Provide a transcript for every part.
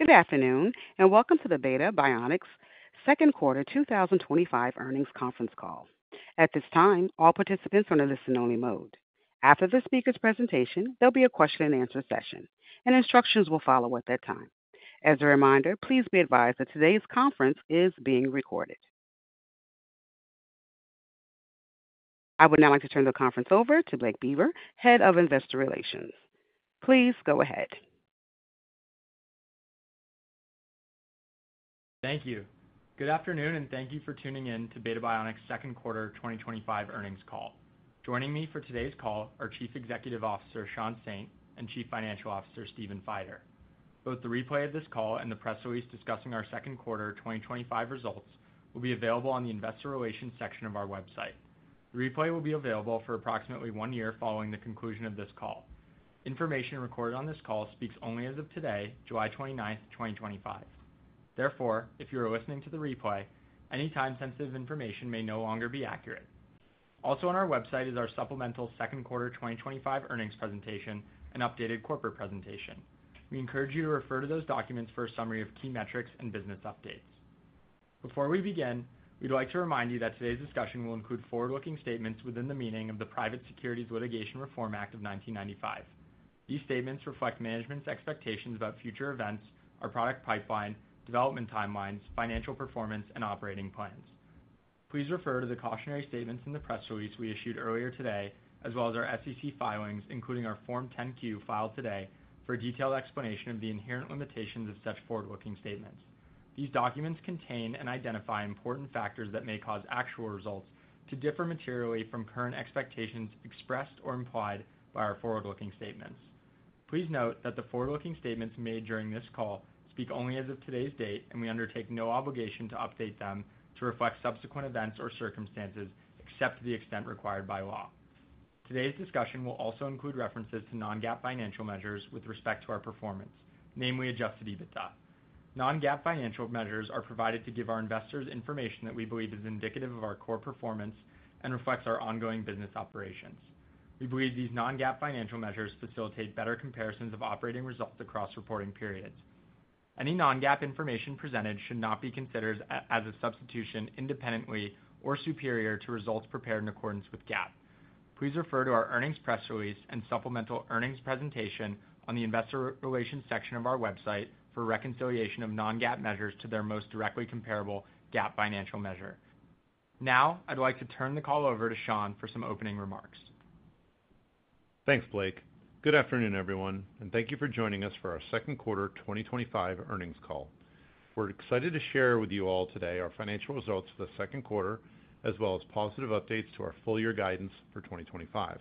Good afternoon and welcome to the Beta Bionics Second Quarter 2025 Earnings Conference Call. At this time, all participants are in a listen-only mode. After the speaker's presentation, there will be a question-and-answer session and instructions will follow at that time. As a reminder, please be advised that today's conference is being recorded. I would now like to turn the conference over to Blake Beber, Head of Investor Relations. Please go ahead. Thank you. Good afternoon and thank you for tuning in to Beta Bionics Second Quarter 2025 Earnings Call. Joining me for today's call are Chief Executive Officer Sean Saint and Chief Financial Officer Stephen Feider. Both the replay of this call and the press release discussing our second quarter 2025 results will be available on the Investor Relations section of our website. The replay will be available for approximately one year following the conclusion of this call. Information recorded on this call speaks only as of today, July 29, 2025. Therefore, if you are listening to the replay, any time-sensitive information may no longer be accurate. Also on our website is our supplemental Second-Quarter 2025 Earnings Presentation and updated Corporate Presentation. We encourage you to refer to those documents for a summary of key metrics and business updates. Before we begin, we'd like to remind you that today's discussion will include forward-looking statements within the meaning of the Private Securities Litigation Reform Act of 1995. These statements reflect management's expectations about future events, our product pipeline development timelines, financial performance, and operating plans. Please refer to the cautionary statements in the press release we issued earlier today. As well as our SEC filings, including our Form 10-Q filed today, for a detailed explanation of the inherent limitations of such forward-looking statements. These documents contain and identify important factors. That may cause actual results to differ Materially from current expectations expressed or implied by our forward-looking statements. Please note that the forward-looking statements made during this call speak only as of today's date and we undertake no obligation to update them to reflect subsequent events or circumstances except to the extent required by law. Today's discussion will also include references to non-GAAP financial measures with respect to our performance, namely adjusted EBITDA. Non-GAAP financial measures are provided to give our investors information that we believe is indicative of our core performance and reflects our ongoing business operations. We believe these non-GAAP financial measures facilitate better comparisons of operating results across reporting periods. Any non-GAAP information presented should not be considered as a substitution, independently or superior to results prepared in accordance with GAAP. Please refer to our Earnings Press Release and Supplemental Earnings Presentation on the Investor Relations section of our website for reconciliation of non-GAAP measures to their most directly comparable GAAP financial measure. Now I'd like to turn the call over to Sean for some opening remarks. Thanks, Blake. Good afternoon, everyone, and thank you for joining us for our Second Quarter 2025 Earnings Call. We're excited to share with you all today our financial results for the second quarter, as well as positive updates to our full-year guidance for 2025.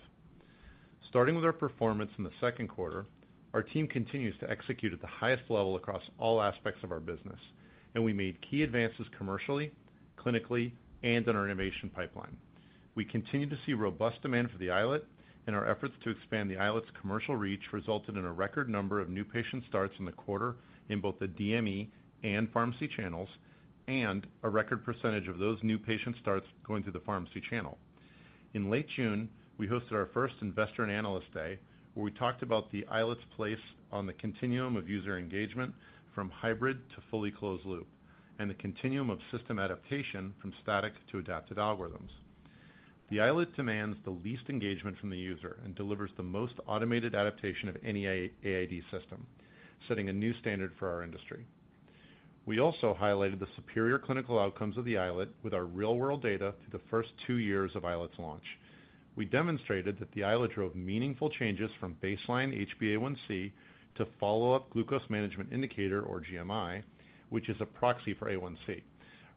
Starting with our performance in the second quarter, our team continues to execute at the highest level across all aspects of our business, and we made key advances commercially, clinically, and in our innovation pipeline. We continue to see robust demand for the iLet, and our efforts to expand the iLet’s commercial reach resulted in a record number of new patient starts in the quarter in both the DME and pharmacy channels, and a record percentage of those new patient starts going through the pharmacy channel. In late June, we hosted our first Investor and Analyst Day where we talked about the iLet’s place on the continuum of user engagement, engagement from hybrid to fully closed loop, and the continuum of system adaptation from static to adaptive algorithms. The iLet demands the least engagement from the user and delivers the most automated adaptation of any AID system, setting a new standard for our industry. We also highlighted the superior clinical outcomes of the iLet with our real-world data. Through the first two years of iLet’s launch, we demonstrated that the iLet drove meaningful changes from baseline HbA1c to follow-up glucose management indicator, or GMI, which is a proxy for A1C,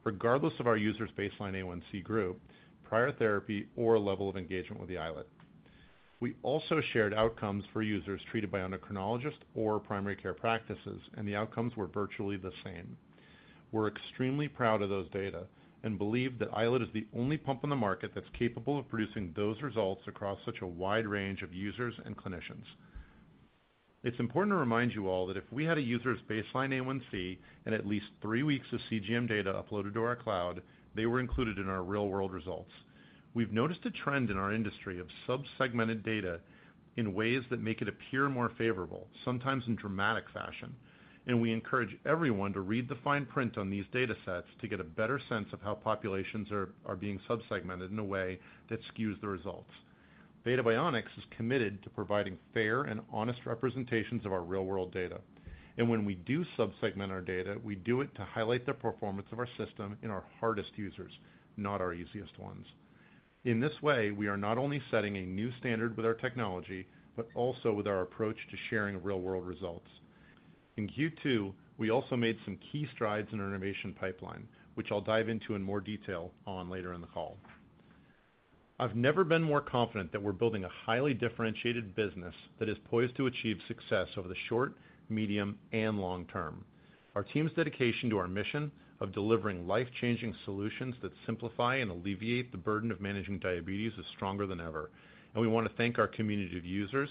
regardless of our user's baseline A1C group, prior therapy, or level of engagement with the iLet. We also shared outcomes for users treated by endocrinologists or primary care practices, and the outcomes were virtually the same. We're extremely proud of those data and believe that iLet is the only pump in the market that's capable of producing those results across such a wide range of users and clinicians. It's important to remind you all that if we had a user's baseline A1c and at least three weeks of CGM data uploaded to our cloud, they were included in our real-world results. We've noticed a trend in our industry of subsegmented data in ways that make it appear more favorable, sometimes in dramatic fashion, and we encourage everyone to read the fine print on these data sets to get a better sense of how populations are being subsegmented in a way that skews the results. Beta Bionics is committed to providing fair and honest representations of our real-world data, and when we do subsegment our data, we do it to highlight the performance of our system in our hardest users, not our easiest ones. In this way, we are not only setting a new standard with our technology, but also with our approach to sharing real-world results. In Q2, we also made some key strides in our innovation pipeline, which I'll dive into in more detail later in the call. I've never been more confident that we're building a highly differentiated business that is poised to achieve success over the short, medium, and long term. Our team's dedication to our mission of delivering life-changing solutions that simplify and alleviate the burden of managing diabetes is stronger than ever, and we want to thank our community of users,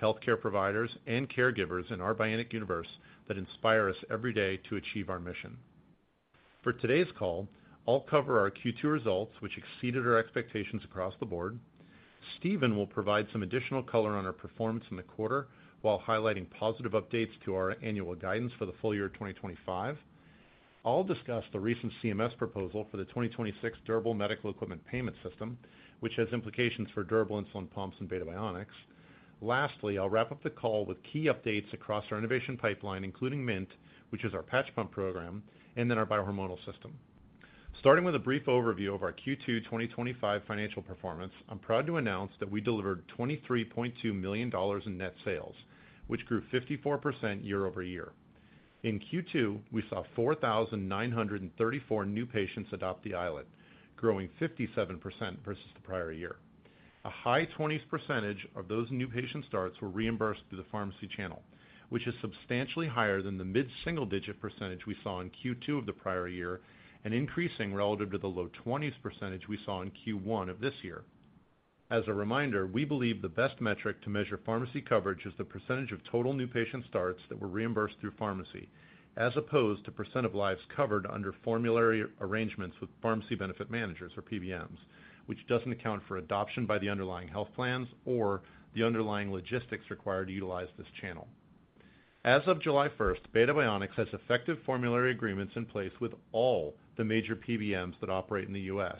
healthcare providers, and caregivers in our bionic universe that inspire us every day to achieve our mission. For today's call, I'll cover our Q2 results, which exceeded our expectations across the board. Stephen will provide some additional color on our performance in the quarter while highlighting positive updates to our annual guidance for the full-year 2025. I'll discuss the recent CMS proposal for the 2026 Durable Medical Equipment Payment System, which has implications for durable insulin pumps and Beta Bionics. Lastly, I'll wrap up the call with key updates across our innovation pipeline, including Mint, which is our patch pump program, and then our bihormonal system. Starting with a brief overview of our Q2 2025 financial performance, I'm proud to announce that we delivered $23.2 million in net sales, which grew 54% year-over-year. In Q2, we saw 4,934 new patients adopt the iLet, growing 57% versus the prior year. A high 20s % of those new patient starts were reimbursed through the pharmacy channel, which is substantially higher than the mid-single-digit % we saw in Q2 of the prior year and increasing relative to the low 20s % we saw in Q1 of this year. As a reminder, we believe the best metric to measure pharmacy coverage is the % of total new patient starts that were reimbursed through pharmacy as opposed to % of lives covered under formulary agreements with pharmacy benefit managers or PBMs, which doesn't account for adoption by the underlying health plans or the underlying logistics required to utilize this channel. As of July 1st, Beta Bionics has effective formulary agreements in place with all the major PBMs that operate in the U.S.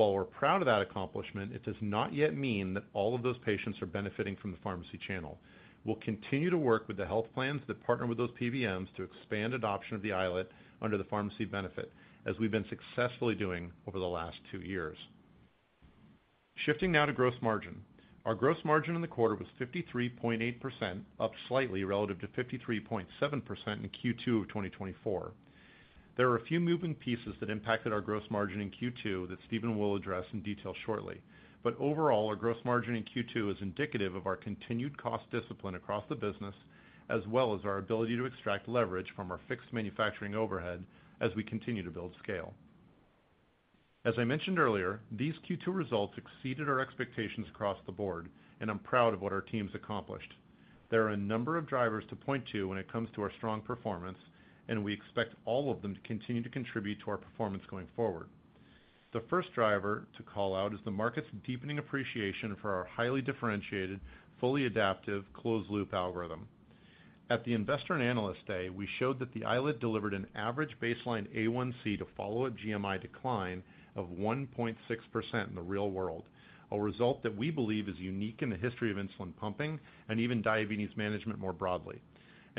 While we're proud of that accomplishment, it does not yet mean that all of those patients are benefiting from the pharmacy channel. We'll continue to work with the health plans that partner with those PBMs to expand adoption of the iLet under the pharmacy benefit, as we've been successfully doing over the last two years. Shifting now to gross margin. Our gross margin in the quarter was 53.8%, up slightly relative to 53.7% in Q2 of 2024. There are a few moving pieces that impacted our gross margin in Q2 that Stephen will address in detail shortly, but overall our gross margin in Q2 is indicative of our continued cost discipline across the business as well as our ability to extract leverage from our fixed manufacturing overhead as we continue to build scale. As I mentioned earlier, these Q2 results exceeded our expectations across the board, and I'm proud of what our teams accomplished. There are a number of drivers to point to when it comes to our strong performance, and we expect all of them to continue to contribute to our performance going forward. The first driver to call out is the market's deepening appreciation for our highly differentiated, fully adaptive closed-loop algorithm. At the Investor and Analyst Day, we showed that the iLet delivered an average baseline A1C to follow a GMI decline of 1.6% in the real-world, a result that we believe is unique in the history of insulin pumping and even diabetes management more broadly.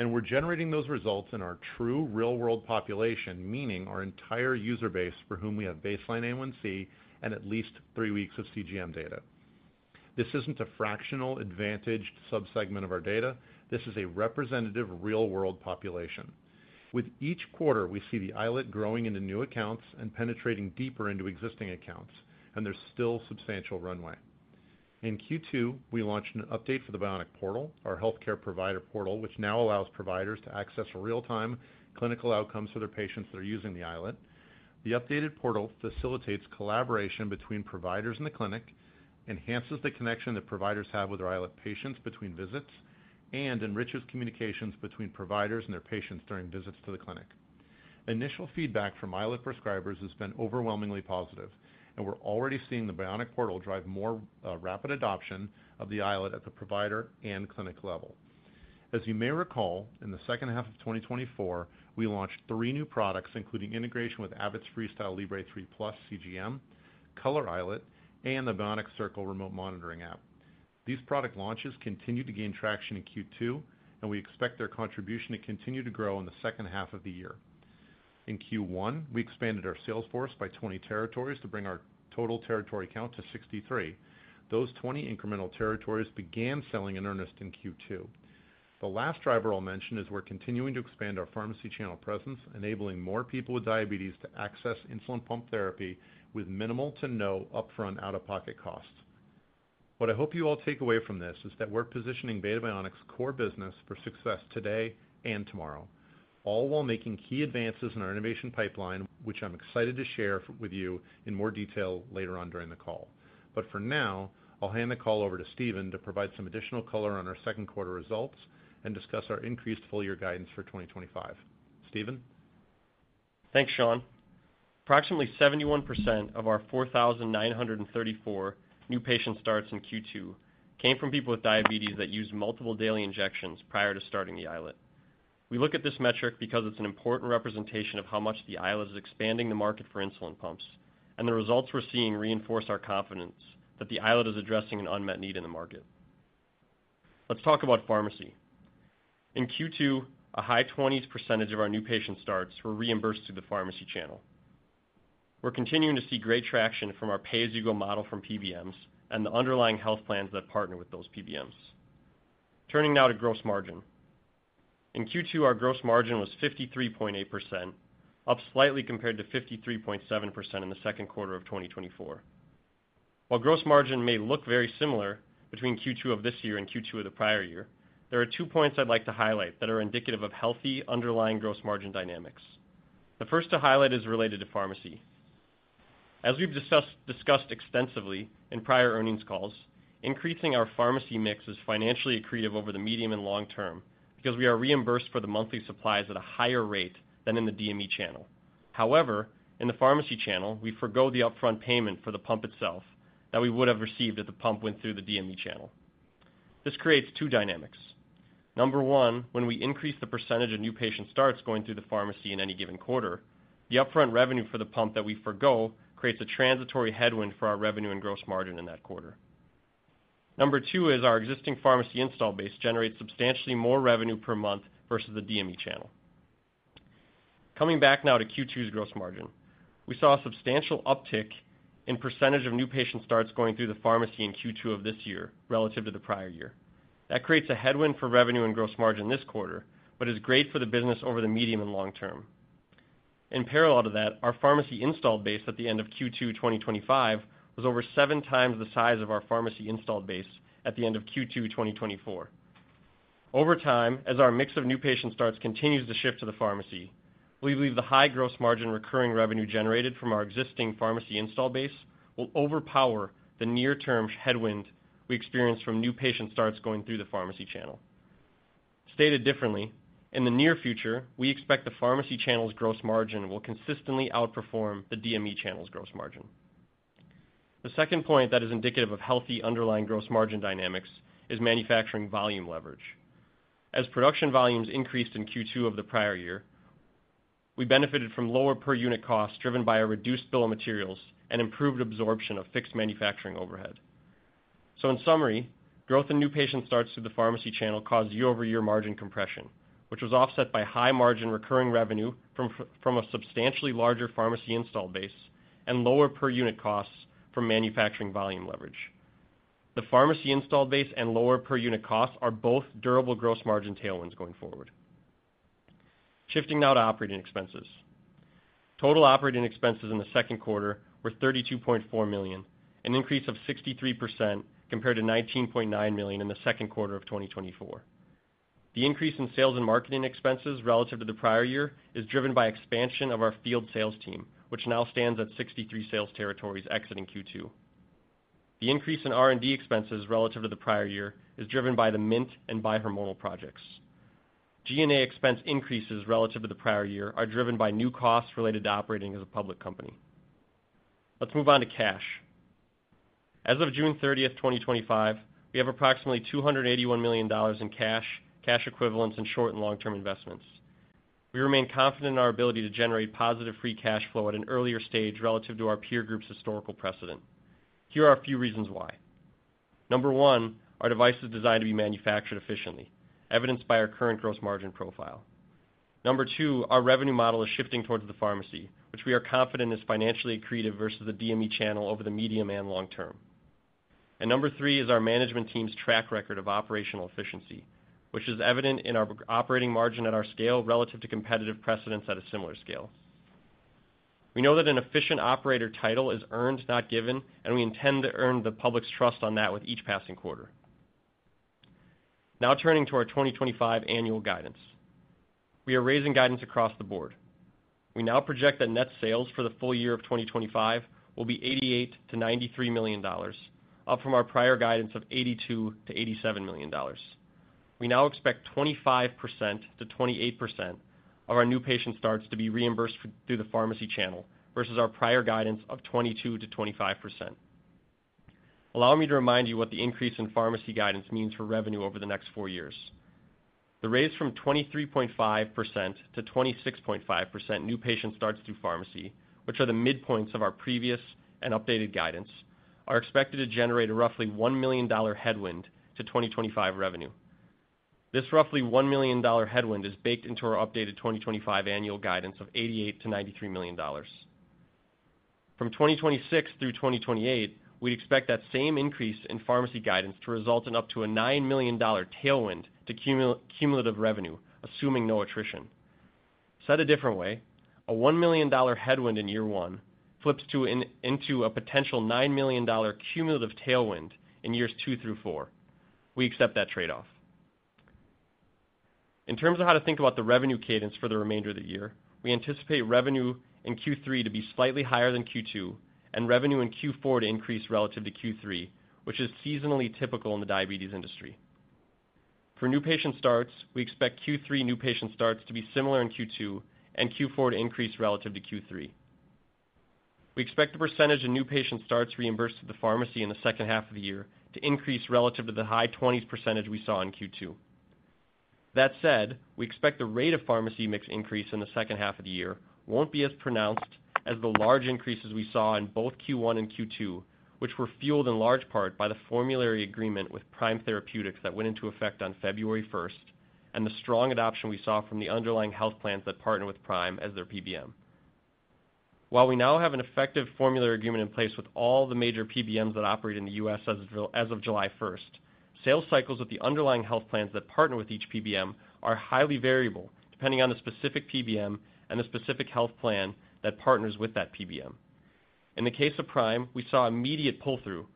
We're generating those results in our true real-world population, meaning our entire user base for whom we have baseline A1C and at least three weeks of CGM data. This isn't a fractional advantaged subsegment of our data. This is a representative real-world population. With each quarter we see the iLet growing into new accounts and penetrating deeper into existing accounts. There's still substantial runway. In Q2, we launched an update for the Bionic Portal, our healthcare provider portal, which now allows providers to access real-time clinical outcomes for their patients that are using the iLet. The updated portal facilitates collaboration between providers in the clinic, enhances the connection that providers have with their iLet patients between visits, and enriches communications between providers and their patients during visits to the clinic. Initial feedback from iLet prescribers has been overwhelmingly positive, and we're already seeing the Bionic Portal drive more rapid adoption of the iLet at the provider and clinic level. As you may recall, in the second half of 2024 we launched three new products, including integration with Abbott's FreeStyle Libre 3 plus CGM, Color iLet, and the Bionic Circle remote monitoring app. These product launches continued to gain traction in Q2, and we expect their contribution to continue to grow in the second half of the year. In Q1, we expanded our sales force by 20 territories to bring our total territory count to 63. Those 20 incremental territories began selling in earnest in Q2. The last driver I'll mention is we're continuing to expand our pharmacy channel presence, enabling more people with diabetes to access insulin pump therapy with minimal to no upfront out-of-pocket costs. What I hope you all take away. From this is that we're positioning Beta Bionics' core business for success today and tomorrow, all while making key advances in our innovation pipeline, which I'm excited to share with you in more detail later on during the call. But for now I'll hand the call over to Stephen to provide some additional color on our second quarter results and discuss our increased full-year guidance for 2025. Stephen Thanks, Sean. Approximately 71% of our 4,934 new patient starts in Q2 came from people with diabetes that used multiple daily injections prior to starting the iLet. We look at this metric because it's an important representation of how much the iLet is expanding the market for insulin pumps, and the results we're seeing reinforce our confidence that the iLet is addressing an unmet need in the market. Let's talk about pharmacy. In Q2, a high 20s % of our new patient starts were reimbursed through the pharmacy channel. We're continuing to see great traction from our pay-as-you-go model from PBMs and the underlying health plans that partner with those PBMs. Turning now to gross margin. In Q2, our gross margin was 53.8%, up slightly compared to 53.7% in the second quarter of 2024. While gross margin may look very similar between Q2 of this year and Q2 of the prior year, there are 2 points I'd like to highlight that are indicative of healthy underlying gross margin dynamics. The first to highlight is related to pharmacy. As we've discussed extensively in prior earnings calls, increasing our pharmacy mix is financially accretive over the medium and long term because we are reimbursed for the monthly supplies at a higher rate than in the DME channel. However, in the pharmacy channel we forgo the upfront payment for the pump itself that we would have received if the pump went through the DME channel. This creates two dynamics. Number one, when we increase the percentage of new patient starts going through the pharmacy in any given quarter, the upfront revenue for the pump that we forego creates a transitory headwind for our revenue and gross margin in that quarter. Number two is our existing pharmacy install base generates substantially more revenue per month versus the DME channel. Coming back now to Q2's gross margin, we saw a substantial uptick in percentage of new patient starts going through the pharmacy in Q2 of this year relative. To the prior year. That creates a headwind for revenue and gross margin this quarter, but is great for the business over the medium and long term. In parallel to that, our pharmacy installed base at the end of Q2 2025 was over 7x the size of our pharmacy installed base at the end of Q2 2024. Over time, as our mix of new patient starts continues to shift to the pharmacy, we believe the high gross margin recurring revenue generated from our existing pharmacy install base will overpower the near-term headwind we experienced from new patient starts going through the pharmacy channel. Stated differently, in the near future we expect the pharmacy channel's gross margin will consistently outperform the DME channel's gross margin. The second point that is indicative of healthy underlying gross margin dynamics is manufacturing volume leverage. As production volumes increased in Q2 of the prior year, we benefited from lower per-unit costs driven by a reduced bill of materials and improved absorption of fixed manufacturing overhead. In summary, growth in new patient starts to the pharmacy channel caused year-over-year margin compression which was offset by high-margin recurring revenue from a substantially larger pharmacy install base and lower per-unit costs from manufacturing volume leverage. The pharmacy installed base and lower per unit costs are both durable gross margin tailwinds going forward. Shifting now to operating expenses, total operating expenses in the second quarter were $32.4 million, an increase of 63% compared to $19.9 million in the second quarter of 2024. The increase in sales and marketing expenses relative to the prior year is driven by expansion of our field sales team which now stands at 63 sales territories exiting Q2. The increase in R&D expenses relative to the prior year is driven by the Mint and bihormonal projects. G&A expense increases relative to the prior year are driven by new costs related to operating as a public company. Let's move on to cash. As of June 30th, 2025, we have approximately $281 million in cash, cash equivalents and short and long-term investments. We remain confident in our ability to generate positive free cash flow at an earlier stage relative to our peer group's historical precedent. Here are a few reasons why. Number one, our device is designed to be manufactured efficiently, evidenced by our current gross margin profile. Number two, our revenue model is shifting towards the pharmacy, which we are confident is financially accretive versus the DME channel over the medium and long term. Number three is our management team's track record of operational efficiency, which is evident in our operating margin at our scale relative to competitive precedents at a similar scale. We know that an efficient operator title is earned, not given, and we intend to earn the public's trust on that with each passing quarter. Now turning to our 2025 annual guidance, we are raising guidance across the board. We now project that net sales for the full year of 2025 will be $88 million-$93 million, up from our prior guidance of $82 million-$87 million. We now expect 25%-28% of our new patient starts to be reimbursed through the pharmacy channel versus our prior guidance of 22%-25%. Allow me to remind you what the increase in pharmacy guidance means for revenue over the next four years. The rates from 23.5%- 26.5% new patient starts through pharmacy, which are the midpoints of our previous and updated guidance, are expected to generate a roughly $1 million headwind to 2025 revenue. This roughly $1 million headwind is baked into our updated 2025 annual guidance of $88 million-$93 million. From 2026 through 2028, we'd expect that same increase in pharmacy guidance to result in up to a $9 million tailwind to cumulative revenue, assuming no attrition. Said a different way, a $1 million headwind in year one flips into a potential $9 million cumulative tailwind in years 2 through 4. We accept that trade-off. In terms of how to think about the revenue cadence for the remainder of the year, we anticipate revenue in Q3 to be slightly higher than Q2 and revenue in Q4 to increase relative to Q3, which is seasonally typical in the diabetes industry. For new patient starts, we expect Q3 new patient starts to be similar to Q2 and Q4 to increase relative to Q3. We expect the % of new patient starts reimbursed at the pharmacy in the second half of the year to increase relative to the high 20s % we saw in Q2. That said, we expect the rate of pharmacy mix increase in the second half of the year won't be as pronounced as the large increases we saw in both Q1 and Q2, which were fueled in large part by the formulary agreement with Prime Therapeutics that went into effect on February 1st and the strong adoption we saw from the underlying health plans that partner with Prime as their PBM. While we now have an effective formulary agreement in place with all the major PBMs that operate in the U.S. as of July 1st, sales cycles of the underlying health plans that partner with each PBM are highly variable depending on the specific PBM and the specific health plan that partners with that PBM. In the case of Prime, we saw immediate pull-through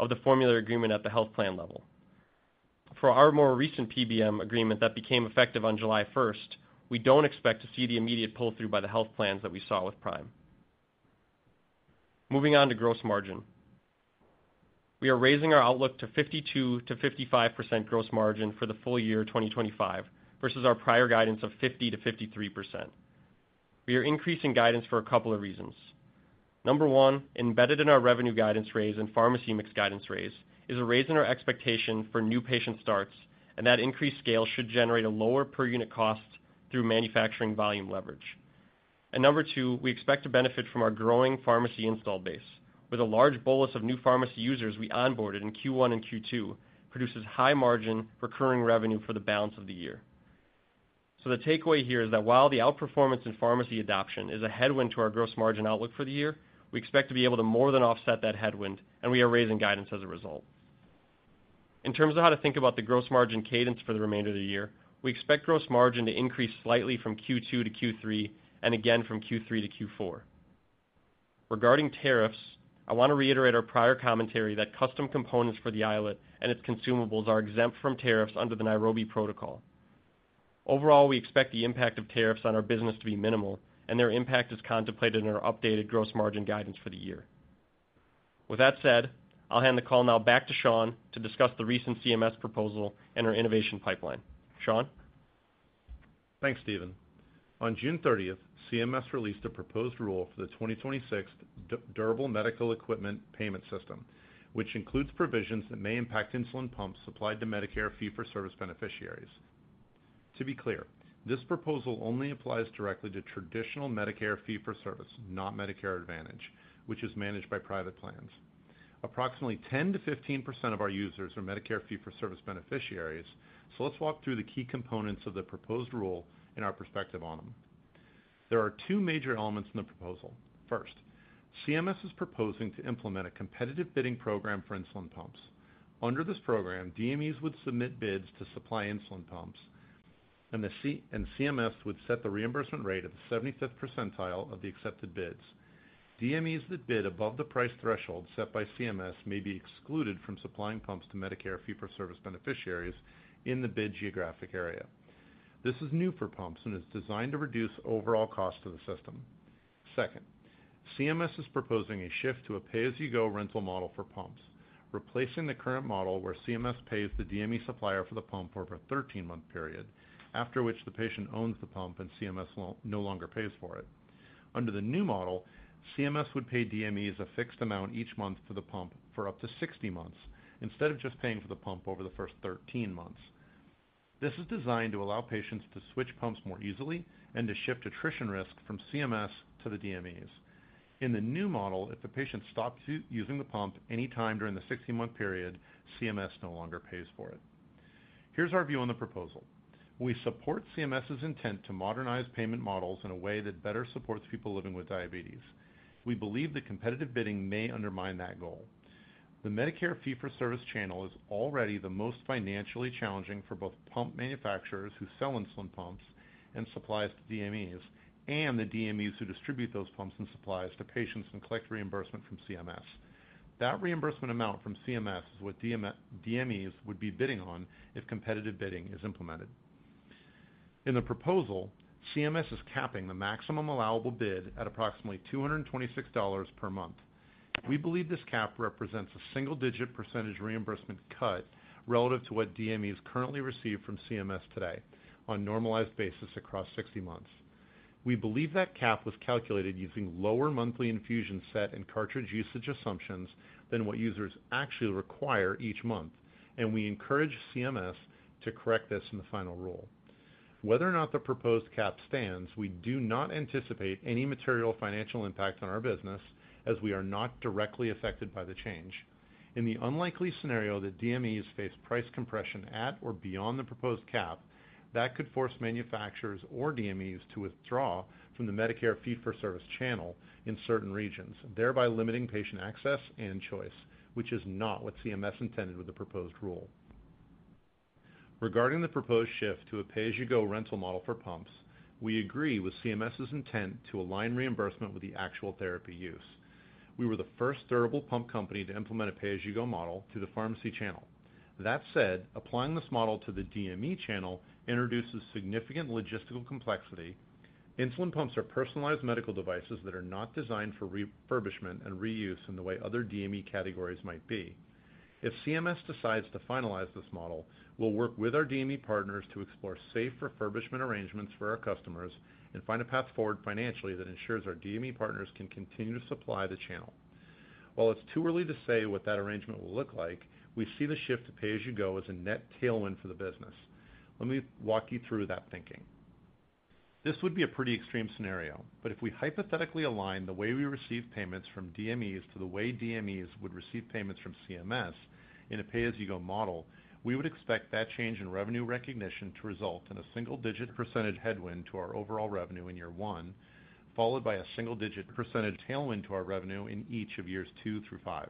of the formulary agreement at the health plan level. For our more recent PBM agreement that became effective on July 1st, we don't expect to see the immediate pull-through by the health plans that we saw with Prime. Moving on to gross margin, we are raising our outlook to 52%-55% gross margin for the full-year 2025 versus our prior guidance of 50%-53%. We are increasing guidance for a couple of reasons. Number one, embedded in our revenue guidance raise and pharmacy mix guidance raise is a raise in our expectation for new patient starts, and that increased scale should generate a lower per unit cost through manufacturing volume leverage. And number two, we expect to benefit from our growing pharmacy install base, with a large bolus of new pharmacy users we onboarded in Q1 and Q2, which produces high-margin recurring revenue for the balance of the year. So, the takeaway here is that while the outperformance in pharmacy adoption is a headwind to our gross margin outlook for the year, we expect to be able to more than offset that headwind, and we are raising guidance as a result. In terms of how to think about the gross margin cadence for the remainder of the year, we expect gross margin to increase slightly from Q2-Q3 and again from Q3-Q4. Regarding tariffs, I want to reiterate our prior commentary that custom components for the iLet and its consumables are exempt from tariffs under the Nairobi Protocol. Overall, we expect the impact of tariffs on our business to be minimal, and their impact is contemplated in our updated gross margin guidance for the year. With that said, I'll hand the call now back to Sean to discuss the recent CMS proposal and our innovation pipeline. Sean. Thanks, Stephen. On June 30th, CMS released a proposed rule for the 2026 Durable Medical Equipment Payment System, which includes provisions that may impact insulin pumps supplied to Medicare fee-for-service beneficiaries. To be clear, this proposal only applies directly to traditional Medicare fee-for-service, not Medicare Advantage, which is managed by private plans. Approximately 10%-15% of our users are Medicare fee-for-service beneficiaries, so let's walk through the key components of the proposed rule and our perspective on them. There are two major elements in the proposal. First, CMS is proposing to implement a competitive bidding program for insulin pumps. Under this program, DMEs would submit bids to supply insulin pumps, and CMS would set the reimbursement rate at the 75th percentile of the accepted bids. DMEs that bid above the price threshold set by CMS may be excluded from supplying pumps to Medicare fee-for-service beneficiaries in the bid geographic area. This is new for pumps and is designed to reduce overall cost to the system. Second, CMS is proposing a shift to a pay-as-you-go rental model for pumps, replacing the current model where CMS pays the DME supplier for the pump over a 13-month period, after which the patient owns the pump and CMS no longer pays for it. Under the new model, CMS would pay DME as a fixed amount each month for the pump for up to 60 months instead of just paying for the pump over the first 13 months. This is designed to allow patients to switch pumps more easily and to shift attrition risk from CMS to the DMEs. In the new model, if the patient stops using the pump anytime during the 60-month period, CMS no longer pays for it. Here's our view on the proposal. We support CMS's intent to modernize payment models in a way that better supports people living with diabetes. We believe that competitive bidding may undermine that goal. The Medicare fee-for-service channel is already the most financially challenging for both pump manufacturers who sell insulin pumps and supplies to DMEs and the DMEs who distribute those pumps and supplies to patients and collect reimbursement from CMS. That reimbursement amount from CMS is what DMEs would be bidding on if competitive bidding is implemented. In the proposal, CMS is capping the maximum allowable bid at approximately $226 per month. We believe this cap represents a single-digit % reimbursement cut relative to what DMEs currently receive from CMS today on a normalized basis across 60 months. We believe that cap was calculated using lower monthly infusion set and cartridge usage assumptions than what users actually require each month, and we encourage CMS to correct this in the final rule. Whether or not the proposed cap stands, we do not anticipate any material financial impact on our business as we are not directly affected by the change. In the unlikely scenario that DMEs face price compression at or beyond the proposed cap, that could force manufacturers or DMEs to withdraw from the Medicare fee-for-service channel in certain regions, thereby limiting patient access and choice, which is not what CMS intended with the proposed rule. Regarding the proposed shift to a pay-as-you-go rental model for pumps, we agree with CMS's intent to align reimbursement with the actual therapy use. We were the first durable pump company to implement a pay-as-you-go model to the pharmacy channel. That said, applying this model to the DME channel introduces significant logistical complexity. Insulin pumps are personalized medical devices that are not designed for refurbishment and reuse in the way other DME categories might be. If CMS decides to finalize this model, we'll work with our DME partners to explore safe refurbishment arrangements for our customers and find a path forward financially that ensures our DME partners can continue to supply the channel. While it's too early to say what that arrangement will look like, we see the shift to pay-as-you-go as a net tailwind for the business. Let me walk you through that thinking. This would be a pretty extreme scenario, but if we hypothetically align the way we receive payments from DMEs to the way DMEs would receive payments from CMS in a pay-as-you-go model, we would expect that change in revenue recognition to result in a single-digit % headwind to our overall revenue in year one, followed by a single-digit % tailwind to our revenue in each of years two through five,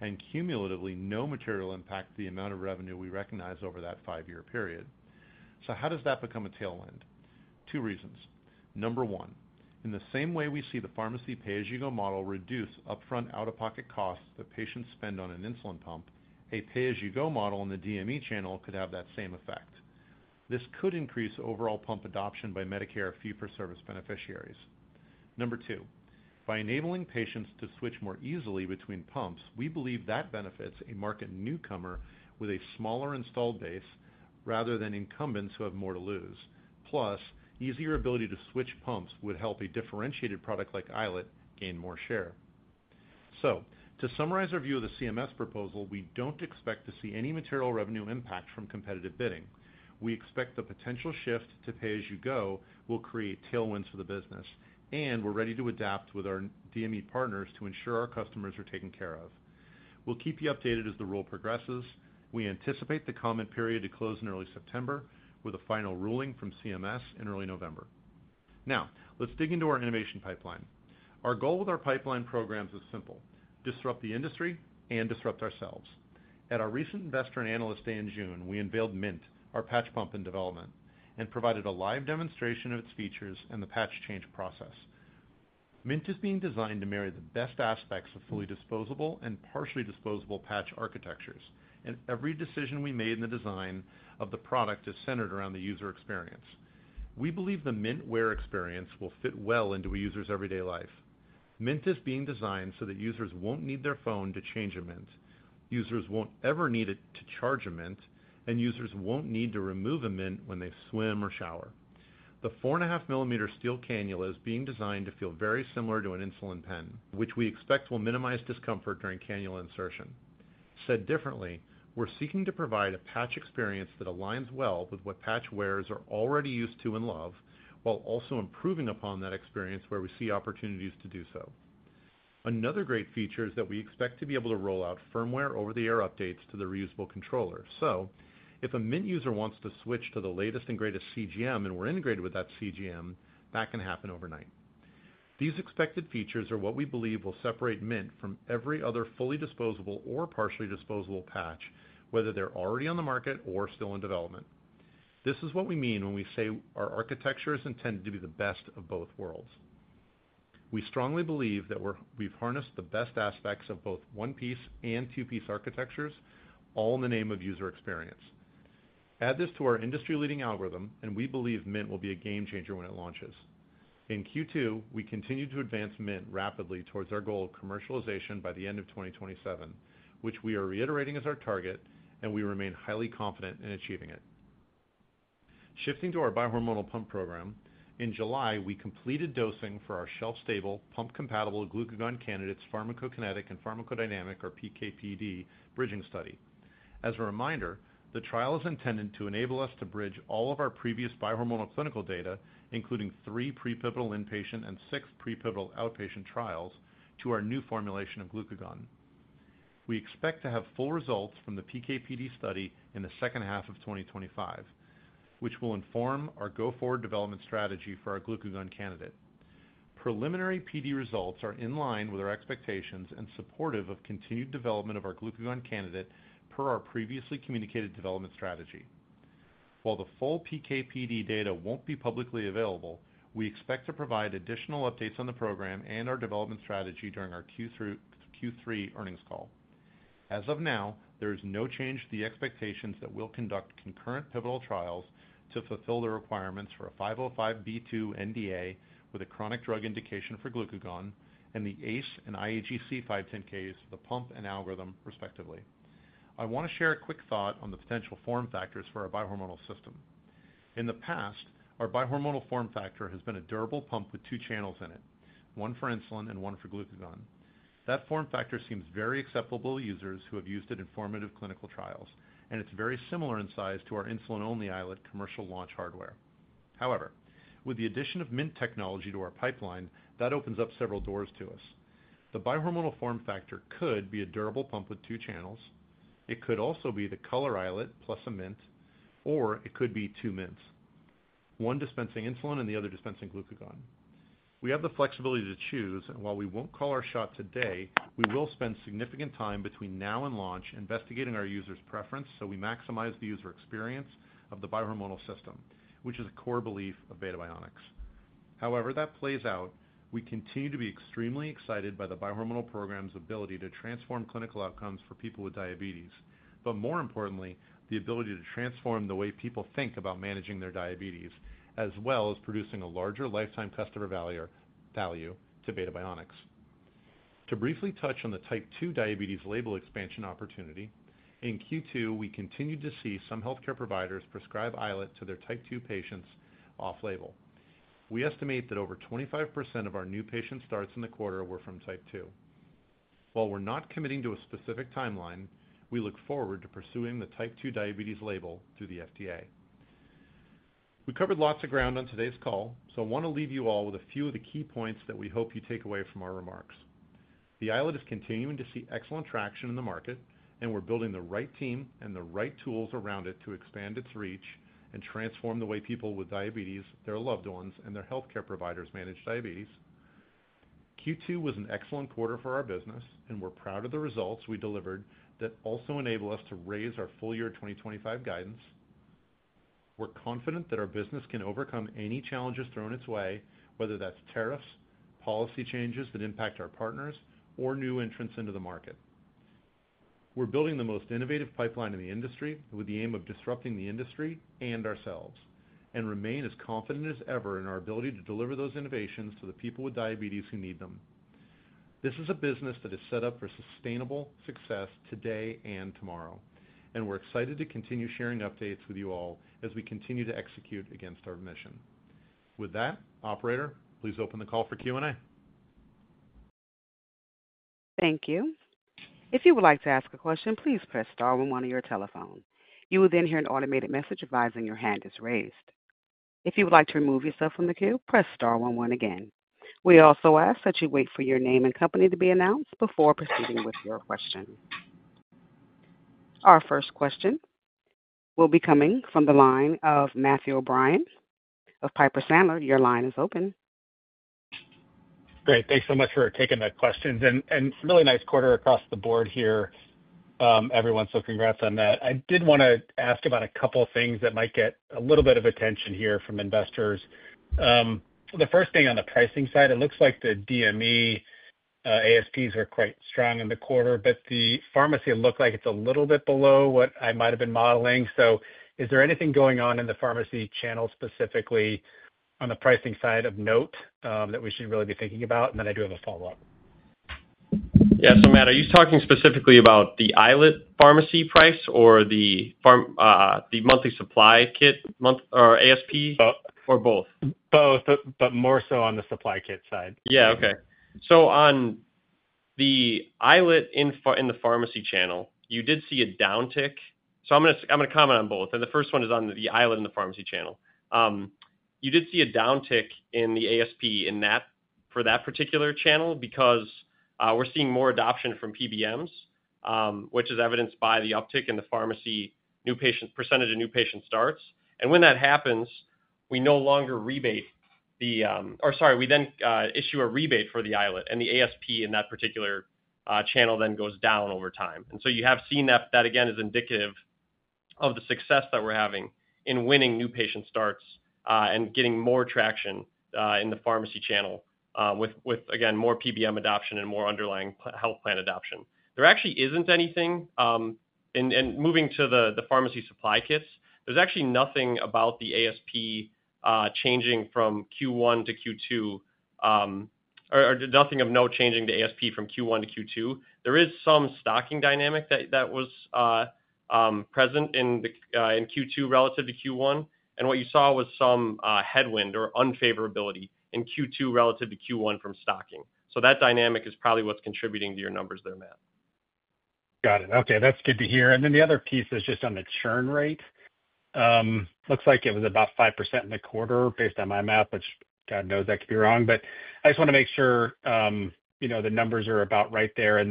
and cumulatively no material impact to the amount of revenue we recognize over that 5-year period. Two reasons explain how that becomes a tailwind. Two reasons, number one, in the same way we see the pharmacy pay-as-you-go model reduce upfront out-of-pocket costs that patients spend on an insulin pump, a pay-as-you-go model in the DME channel could have that same effect. This could increase overall pump adoption by Medicare fee-for-service beneficiaries. Number two, by enabling patients to switch more easily between pumps, we believe that benefits a market newcomer with a smaller installed base rather than incumbents who have more to lose. Plus, easier ability to switch pumps would help a differentiated product like iLet gain more share. So, to summarize our view of the CMS proposal, we don't expect to see any material revenue impact from competitive bidding. We expect the potential shift to pay-as-you-go will create tailwinds for the business, and we're ready to adapt with our DME partners to ensure our customers are taken care of. We'll keep you updated as the rule progresses. We anticipate the comment period to close in early September with a final ruling from CMS in early November. Now let's dig into our innovation pipeline. Our goal with our pipeline programs is simple: disrupt the industry and disrupt ourselves. At our recent Investor and Analyst Day in June, we unveiled Mint, our patch pump in development, and provided a live demonstration of its features and the patch change process. Mint is being designed to marry the best aspects of fully disposable and partially disposable patch architectures, and every decision we made in the design of the product is centered around the user experience. We believe the Mint wear experience will fit well into a user's everyday life. Mint is being designed so that users won't need their phone to change a Mint, users won't ever need it to charge a Mint, and users won't need to remove a Mint when they swim or shower. The 4.5 millimeter steel cannula is being designed to feel very similar to an insulin pen, which we expect will minimize discomfort during cannula insertion. Said differently, we're seeking to provide a patch experience that aligns well with what patch wearers are already used to and love, while also improving upon that experience where we see opportunities to do so. Another great feature is that we expect to be able to roll out firmware over-the-air updates to the reusable controller. If a Mint user wants to switch to the latest and greatest CGM and we're integrated with that CGM, that can happen overnight. These expected features are what we believe will separate Mint from every other fully disposable or partially disposable patch, whether they're already on the market or still in development. This is what we mean when we say our architecture is intended to be the best of both worlds. We strongly believe that we've harnessed the best aspects of both one-piece and two-piece architectures, all in the name of user experience. Add this to our industry-leading algorithm and we believe Mint will be a game changer when it launches in Q2. We continue to advance Mint rapidly towards our goal of commercialization by the end of 2027, which we are reiterating as our target and we remain highly confident in achieving it. Shifting to our bihormonal pump program, in July we completed dosing for our shelf-stable pump-compatible glucagon candidate's pharmacokinetic and pharmacodynamic, or PK/PD, bridging study. As a reminder, the trial is intended to enable us to bridge all of our previous bihormonal clinical data, including three prepivotal inpatient and six prepivotal outpatient trials, to our new formulation of glucagon. We expect to have full results from the PK/PD study in the second half of 2025, which will inform our go-forward development strategy for our glucagon candidate. Preliminary PD results are in line with our expectations and supportive of continued development of our glucagon candidate per our previously communicated development strategy. While the full PK/PD data won't be publicly available, we expect to provide additional updates on the program and our development strategy during our Q3 earnings call. As of now, there is no change to the expectations that we'll conduct concurrent pivotal trials to fulfill the requirements for a 505(b)(2) NDA with a chronic drug indication for glucagon and the ACE and iAGC 510(k)s for the pump and algorithm, respectively. I want to share a quick thought on the potential form factors for our bihormonal system. In the past, our bihormonal form factor has been a durable pump with two channels in it, one for insulin and one for glucagon. That form factor seems very acceptable to users who have used it in formative clinical trials and it's very similar in size to our insulin-only iLet commercial launch hardware. However, with the addition of Mint technology to our pipeline, that opens up several doors to us. The bihormonal form factor could be a durable pump with two channels. It could also be the color iLet plus a Mint, or it could be two Mints, one dispensing insulin and the other dispensing glucagon. We have the flexibility to choose, and while we won't call our shot today, we will spend significant time between now and launch investigating our users' preference so we maximize the user experience of the bihormonal system, which is a core belief of Beta Bionics. However that plays out, we continue to be extremely excited by the bihormonal program's ability to transform clinical outcomes for people with diabetes, but more importantly the ability to transform the way people think about managing their diabetes as well as producing a larger lifetime test of evaluator value to Beta Bionics. To briefly touch on the type 2 diabetes label expansion opportunity. In Q2, we continued to see some healthcare providers prescribe iLet to their type 2 patients off-label. We estimate that over 25% of our new patient starts in the quarter were from type 2. While we're not committing to a specific timeline, we look forward to pursuing the type 2 diabetes label through the FDA. We covered lots of ground on today's call. I want to leave you all with a few of the key points that we hope you take away from our remarks. The iLet is continuing to see excellent traction in the market, and we're building the right team and the right tools around it to expand its reach and transform the way people with diabetes, their loved ones, and their healthcare providers manage diabetes. Q2 was an excellent quarter for our business, and we're proud of the results we delivered that also enable us to raise our full-year 2025 guidance. We're confident that our business can overcome any challenges thrown its way, whether that's tariffs, policy changes that impact our partners, or new entrants into the market. We're building the most innovative pipeline in the industry with the aim of disrupting the industry and ourselves, and remain as confident as ever in our ability to deliver those innovations to the people with diabetes who need them. This is a business that is set up for sustainable success today and tomorrow, and we're excited to continue sharing updates with you all as we continue to execute against our mission. With that, operator, please open the call for Q&A. Thank you. If you would like to ask a question, please press star one one on your telephone. You will then hear an automated message advising your hand is raised. If you would like to remove yourself from the queue, press star one one again. We also ask that you wait for your name and company to be announced before proceeding with your question. Our first question will be coming from the line of Matthew O'Brien of Piper Sandler. Your line is open. Great. Thanks so much for taking the questions. Really nice quarter across the board here, everyone. So, congrats on that. I did want to ask about a couple things that might get a little bit of attention here from investors. The first thing, on the pricing side, it looks like the DME ASPs are quite strong in the quarter, but the pharmacy looked like it's a little bit below what I might have been modeling. So, is there anything going on in the pharmacy channel specifically on the pricing side of note that we should really be thinking about? I do have a follow-up. Yeah. Matt, are you talking specifically about the iLet pharmacy price or the monthly supply kit month or ASP or both? Both, but more so on the supply kit side, yeah. Okay, so on the iLet in the pharmacy channel, you did see a downtick, so I'm going to comment on both. The first one is on the iLet in the pharmacy channel, you did see a downtick in the ASP in that for that particular channel because we're seeing more adoption from PBMs, which is evidenced by the uptick in the pharmacy new patient, percentage of new patient starts. When that happens, we then issue a rebate for the iLet, and the ASP in that particular channel then goes down over time. So, you have seen that. That, again, is indicative of the success that we're having in winning new patient starts and getting more traction in the pharmacy channel with, again, more PBM adoption and more underlying health plan adoption. There actually isn't anything. Moving to the pharmacy supply kits, there's actually nothing about the ASP changing from Q1-Q2. Nothing of note changing to ASP from Q1-Q2. There is some stocking dynamic that was present in Q2 relative to Q1, and what you saw was some headwind or unfavorability in Q2 relative to Q1 from stocking. So, that dynamic is probably what's contributing to your numbers there, Matt. Got it. Okay, that's good to hear. The other piece is just on the churn rate. Looks like it was about 5% in the quarter, based on my math, which God knows I could be wrong, but I just want to make sure the numbers are about right there.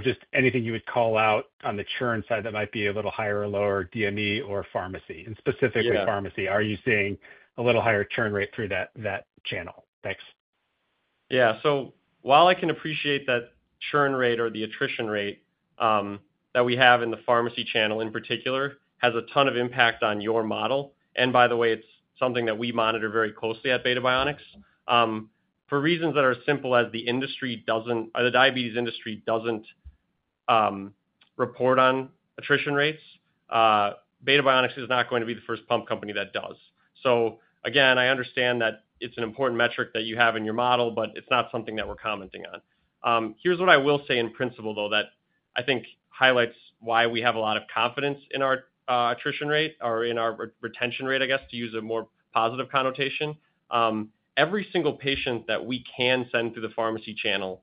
Just anything you would call out on the churn side that might be a little higher or DME or pharmacy, and specifically pharmacy. Are you seeing a little higher churn rate through that channel? Thanks. Yeah. While I can appreciate that churn rate or the attrition rate that we have in the pharmacy channel in particular has a ton of impact on your model, and by the way it's something that we monitor very closely at Beta Bionics for reasons that are as simple as the industry doesn't. The diabetes industry doesn't report on attrition rates. Beta Bionics is not going to be the first pump company that does. So, again I understand that it's an important metric that you have in your model, but it's not something that we're commenting on. Here's what I will say in principle, though, that I think highlights why we have a lot of confidence in our attrition rate or in our retention rate, I guess, to use a more positive connotation. Every single patient that we can send through the pharmacy channel,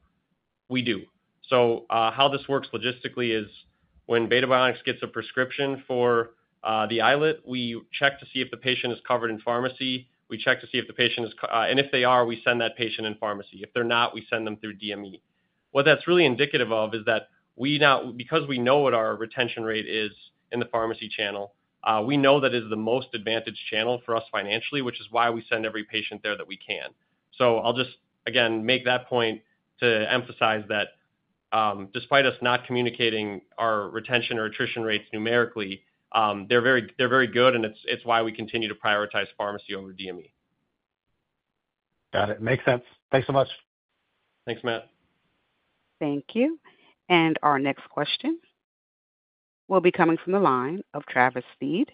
we do. How this works logistically is when Beta Bionics gets a prescription for the iLet, we check to see if the patient is covered in pharmacy, we check to see if the patient is. If they are, we send that patient in pharmacy. If they're not, we send them through DME. What that's really indicative of is that we now, because we know what our retention rate is in the pharmacy channel, we know that is the most advantaged channel for us financially, which is why we send every patient there that we can. So, I'll just again make that point to emphasize that despite us not communicating our retention or attrition rates, numerically they're very good. It's why we continue to prioritize pharmacy over DME. Got it. Makes sense. Thanks so much. Thanks, Matt. Thank you. And our next question will be coming from the line of Travis Steed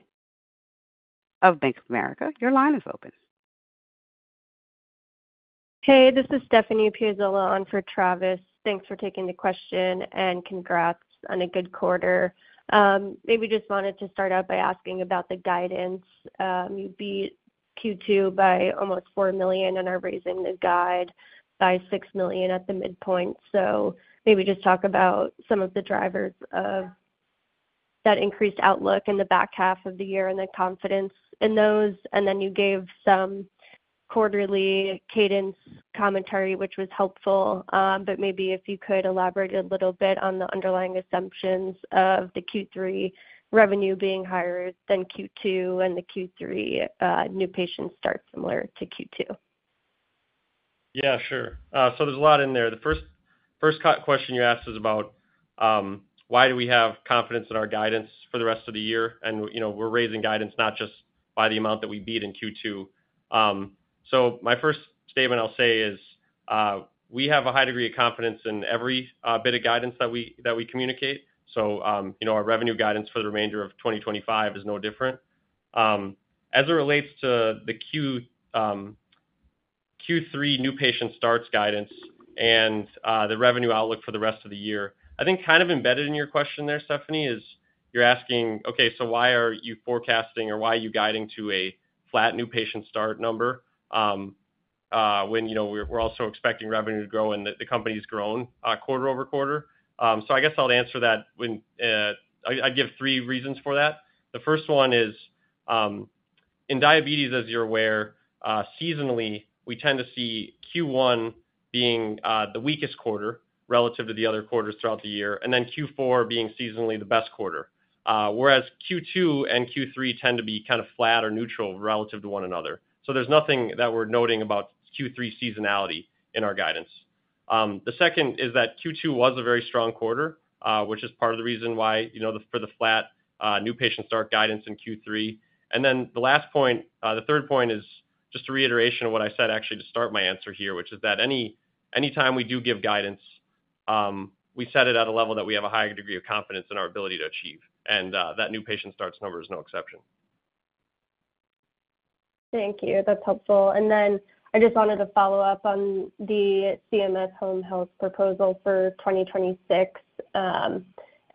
of Bank of America. Your line is open. Hey, this is Stephanie Piazzola on for Travis. Thanks for taking the question, and congrats on a good quarter. Maybe just wanted to start out by asking about the guidance. You beat Q2 by almost $4 million and are raising the guide by $6 million at the midpoint. Maybe just talk about some of the drivers of that increased outlook in the back half of the year and the confidence in those. And then you gave some quarterly cadence commentary, which was helpful, but maybe if you could elaborate a little bit on the underlying assumptions of the Q3 revenue being higher than Q2 and the Q3 new patient start similar to Q2. Yeah, sure. There's a lot in there. The first question you asked is about why do we have confidence in our guidance for the rest of the year. And we're raising guidance not just by the amount that we beat in Q2. So, my first statement I'll say is we have a high degree of confidence in every bit of guidance that we communicate. So in our revenue guidance for the remainder of 2025 is no different as it relates to the Q3 new patient starts guidance and the revenue outlook for the rest of the year. I think kind of embedded in your question there, Stephanie, is you're asking, okay, why are you forecasting or why are you guiding to a flat new patient start number when you know we're also expecting revenue to grow and the company's grown quarter-over-quarter? So I guess I'll answer that when I give three reasons for that. The first one is in diabetes, as you're aware, seasonally we tend to see Q1 being the weakest quarter relative to the other quarters throughout the year, and then Q4 being seasonally the best quarter, whereas Q2 and Q3 tend to be kind of flat or neutral relative to one another. So, there's nothing that we're noting about Q3 seasonality in our guidance. The second is that Q2 was a very strong quarter, which is part of the reason why, for the flat new patient start guidance in Q3. The last point, the third point, is just a reiteration of what I said actually to start my answer here, which is that anytime we do give guidance, we set it at a level that we have a higher degree of confidence in our ability to achieve. And that new patient starts number is no exception. Thank you, that's helpful. And then I just wanted to follow up on the CMS home health proposal for 2026.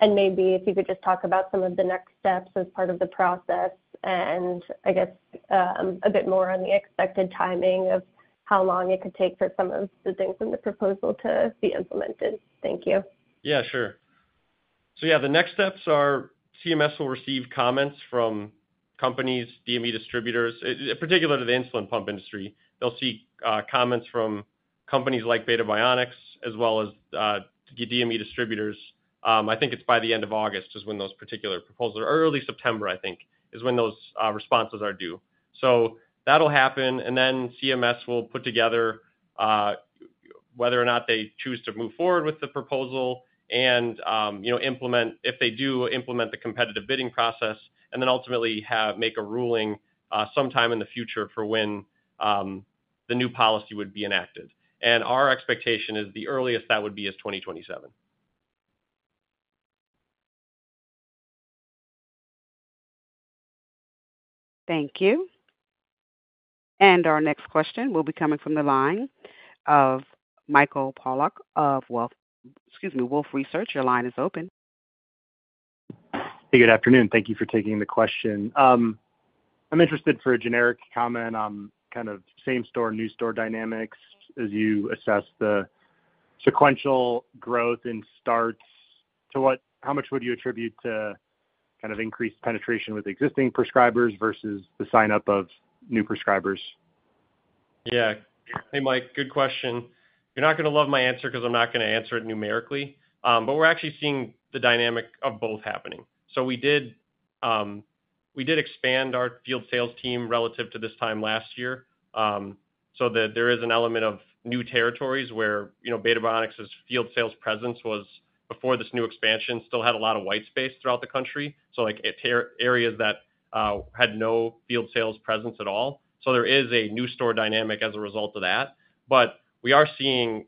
And maybe if you could just talk about some of the next steps as part of the process, and I guess a bit more on the expected timing of how long it could take for some of the things in the proposal to be implemented. Thank you. Yeah, sure. The next steps are CMS will receive comments from companies, DME distributors, particularly the insulin pump industry. They'll see comments from companies like Beta Bionics as well as DME distributors. I think it's by the end of August is when those particular proposals or early September is when those responses are due. So, that'll happen, and then CMS will put together whether or not they choose to move forward with the proposal and, you know, implement, if they do implement the competitive bidding process, and then ultimately make a ruling sometime in the future for when the new policy would be enacted. And our expectation is the earliest that would be is 2027. Thank you. And our next question will be coming from the line of Michael Pollock of Wolfe Research. Your line is open. Good afternoon. Thank you for taking the question. I'm interested for a generic comment on kind of same-store new-store dynamics. As you assess the sequential growth in starts, to what, how much would you attribute to kind of increased penetration with existing prescribers versus the sign-up of new prescribers? Yeah. Hey Mike, good question. You're not going to love my answer because I'm not going to answer it numerically. We're actually seeing the dynamic of both happening. So we did expand our field sales team relative to this time last year so that there is an element of new territories where, you know, Beta Bionics's field sales presence was before this new expansion still had a lot of white space throughout the country, like areas that had no field sales presence at all. There is a new store dynamic as a result of that. We are seeing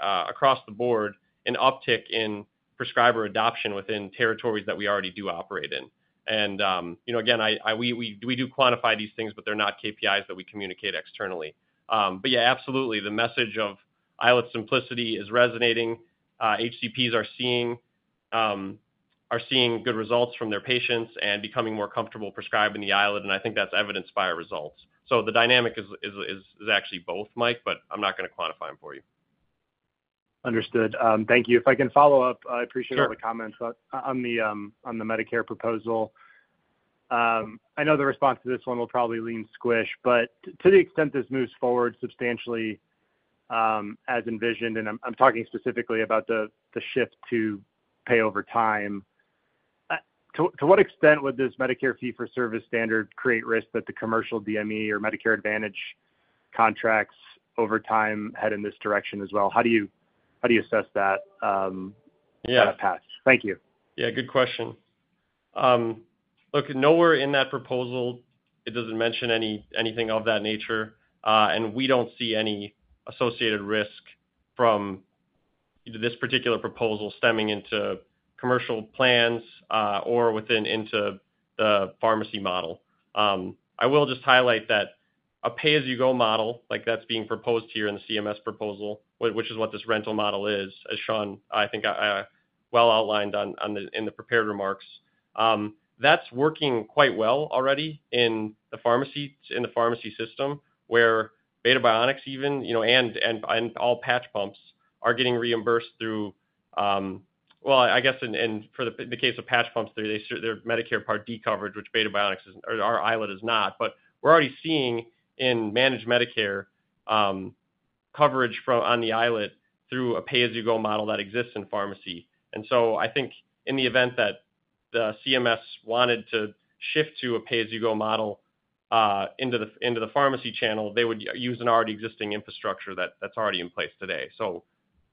across the board an uptick in prescriber adoption within territories that we already do operate in. And you know, again, we do quantify these things, but they're not KPIs that we communicate externally. Yeah, absolutely, the message of iLet simplicity is resonating. HCPs are seeing good results from their patients and becoming more comfortable prescribing the iLet. I think that's evidenced by our results. So, the dynamic is actually both, Mike, but I'm not going to quantify them for you. Understood, thank you. If I can follow up, I appreciate all the comments on the Medicare proposal. I know the response to this one will probably lean squish. But to the extent this moves forward substantially as envisioned, and I'm talking specifically about the shift to pay over time, to what extent would this Medicare fee-for-service standard create risk that the commercial DME or Medicare Advantage contracts over time head in this direction as well? How do you assess that path? Thank you. Yeah, good question. Okay, nowhere in that proposal does it mention anything of that nature. And we don't see any associated risk from this particular proposal stemming into commercial plans or into the pharmacy model. I will just highlight that a pay-as-you-go model like that's being proposed here in the CMS proposal, which is what this rental model is, as Sean, I think, well outlined in the prepared remarks, that's working quite well already in the pharmacy system where Beta Bionics, even, you know, and all patch pumps are getting reimbursed through. Well I guess for the case of patch pumps, their Medicare Part D coverage, which Beta Bionics or our iLet is not, but we're already seeing in managed Medicare coverage on the iLet through a pay-as-you-go model that exists in pharmacies. And so I think in the event that the CMS wanted to shift to a pay-as-you-go model into the pharmacy channel, they would use an already existing infrastructure that's already in place today. So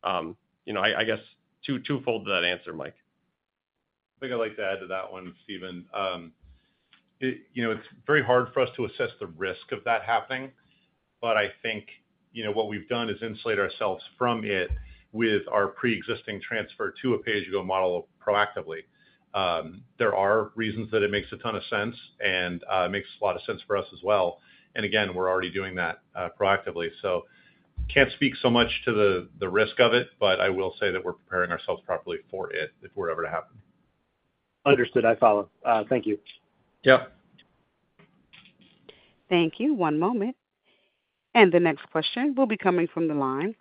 I guess two two-fold to that answer, Mike. I think I'd like to add to that one, Stephen. You know, it's very hard for us to assess the risk of that happening. I think what we've done is insulate ourselves from it with our pre-existing transfer to a pay-as-you-go model proactively. There are reasons that it makes a ton of sense and it makes a lot of sense for us as well. We're already doing that proactively, so can't speak so much to the risk of it. I will say that we're preparing ourselves properly for it if it were ever to happen. Understood. I follow. Thank you. Yep. Thank you. One moment, and the next question will be coming from the line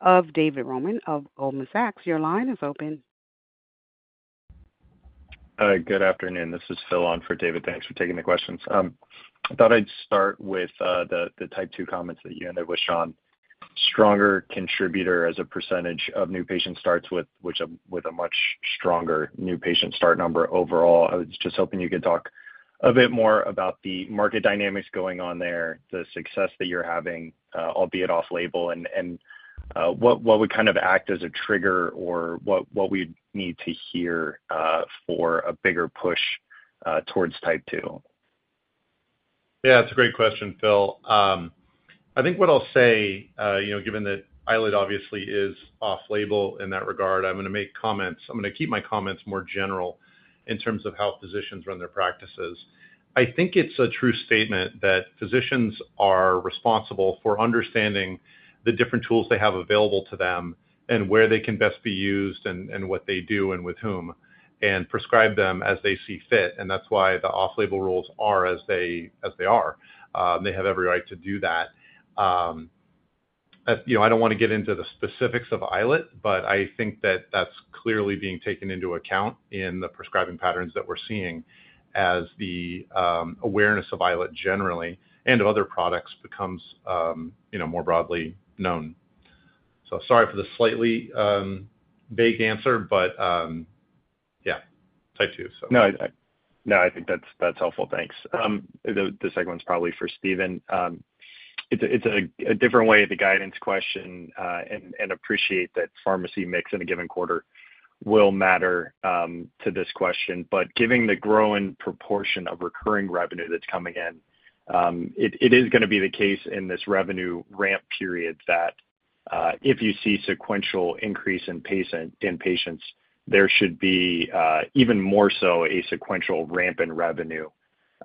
of David Roman of Goldman Sachs. Your line is open. Good afternoon, this is Phil on for David. Thanks for taking the questions. I thought I'd start with the type 2 comments that you ended with, Sean. Stronger contributor as a % of new patient starts with a much stronger new patient start number overall. I was just hoping you could talk a bit more about the market dynamics going on there, the success that you're having, albeit off-label, and what would kind of act as a trigger or what we need to hear for a bigger push towards type 2. Yeah, it's a great question, Phil. I think what I'll say, given that iLet obviously is off-label in that regard, I'm going to keep my comments more generally in terms of how physicians run their practices. I think it's a true statement that physicians are responsible for understanding the different tools they have available to them and where they can best be used and what they do and with whom and prescribe them as they see fit. That's why the off-label rules are as they are. They have every right to do that. I don't want to get into the specifics of iLet, but I think that that's clearly being taken into account in the prescribing patterns that we're seeing as the awareness of iLet generally and of other products becomes more broadly known. Sorry for the slightly vague answer, but yeah, type 2. No, I think that's helpful, thanks. The second one is probably for Stephen. It's a different way of the guidance question and appreciate that pharmacy mix in a given quarter will matter to this question, but given the growing proportion of recurring revenue that's coming in, it is going to be the case in this revenue ramp period that if you see sequential increase in patients there should be even more so a sequential ramp in revenue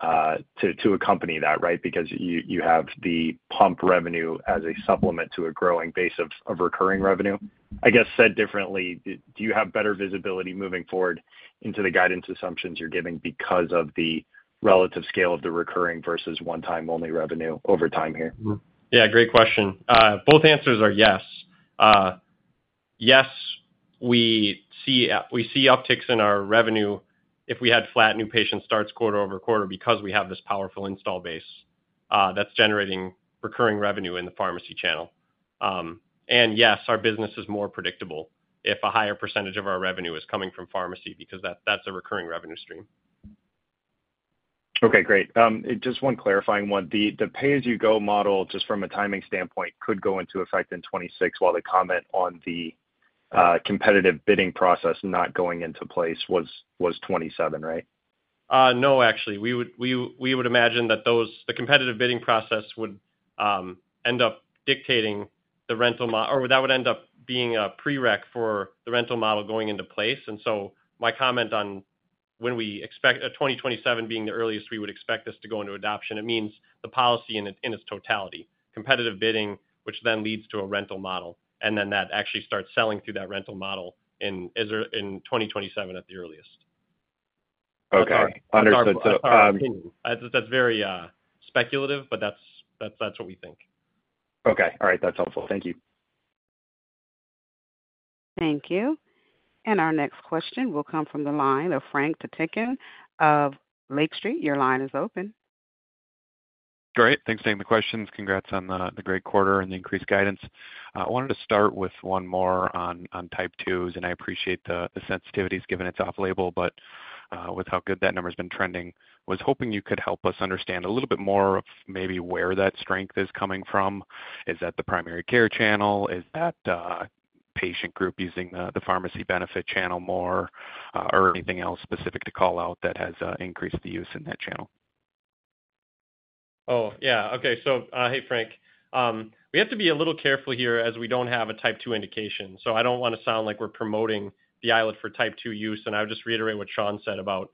to accompany that. Right. Because you have the pump revenue as a supplement to a growing base of recurring revenue. I guess said differently, do you have better visibility moving forward into the guidance assumptions you're giving because of the relative scale of the recurring versus one-time only revenue over time here. Yeah, great question. Both answers are yes, yes, we see upticks in our revenue if we had flat new patient starts quarter-over-quarter because we have this powerful install base that's generating recurring revenue in the pharmacy channel. And yes, our business is more predictable if a higher percentage of our revenue is coming from pharmacy, because that's a recurring revenue stream. Okay, great. Just one clarifying one. The pay-as-you-go rental model, just from a timing standpoint, could go into effect in 2026. While the comment on the competitive bidding process not going into place was 2027 right? No, actually, we would imagine that the competitive bidding process would end up dictating the rental or that would end up being a prereq for the rental model going into place. So my comment on when we expect 2027 being the earliest, we would expect this to go into adoption. It means the policy in its totality, competitive bidding, which then leads to a rental model, and then that actually starts selling through that rental model in 2027 at the earliest. [crosstalk-Okay, understood.] That's very speculative, but that's what we think. Okay, all right, that's helpful. Thank you. Thank you. And our next question will come from the line of Frank Takkinen of Lake Street. Your line is open. Great, thanks. Taking the questions, congrats on the great quarter and the increased guidance. I wanted to start with one more on type 2s. I appreciate the sensitivities given its off-label, but with how good that number has been trending, was hoping you could help us understand a little bit more of maybe where that strength is coming from. Is that the primary care channel, is that patient group using the pharmacy benefit channel more, or anything else specific to call out that has increased the use in that channel? Oh, yeah. Okay. Hey, Frank, we have to be a little careful here as we don't have a type 2 indication. I don't want to sound like we're promoting the iLet for type 2 use. I would just reiterate what Sean said about,